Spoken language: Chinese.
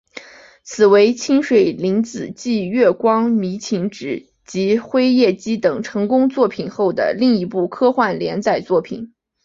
此为清水玲子继月光迷情及辉夜姬等成功作品后的另一部科幻连载作品。